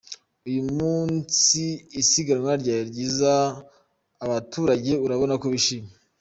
Uyu munsi isiganwa ryari ryiza, abaturage urabona ko bishimye.